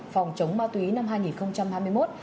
phòng chống ma túy năm hai nghìn hai mươi một